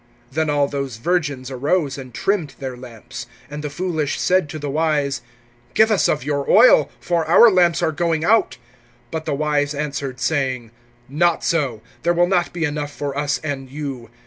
(7)Then all those virgins arose, and trimmed their lamps. (8)And the foolish said to the wise: Give us of your oil, for our lamps are going out. (9)But the wise answered, saying: Not so; there will not be enough for us and you.